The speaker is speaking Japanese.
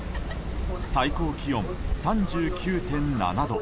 最高気温３９．７度。